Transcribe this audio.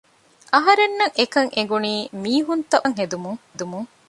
އަހަރެންނަށް އެކަން އެނގުނީ މީހުންތައް ބުރުއްސަން ހެދުމުން